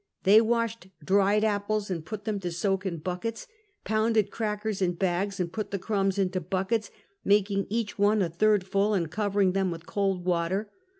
They washed dried apples and put them to soak in buckets, pounded crackers in bags and put the crumbs into buckets, making each one a third full and covering them with cold water.